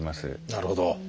なるほど。